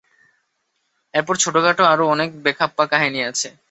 এরপর ছোটখাটো আরো অনেক বেখাপ্পা কাহিনী আছে।